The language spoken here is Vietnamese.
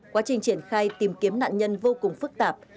quá trình triển khai tìm kiếm nạn nhân vô cùng phức tạp